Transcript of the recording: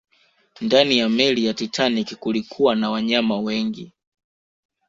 Ndani ya meli ya Titanic kulikuwa na wanyama wengi